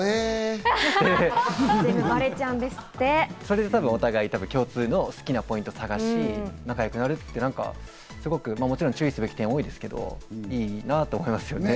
それでお互い共通の好きなポイントを探し仲良くなるって、もちろん注意すべき点は多いですけど、いいなと思いますよね。